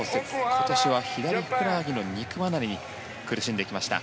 今年は左ふくらはぎの肉離れに苦しんできました。